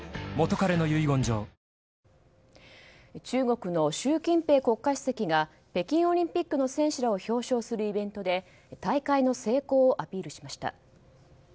中国の習近平国家主席が北京オリンピックの選手らを表彰するイベントで大会の成功をアピールしました。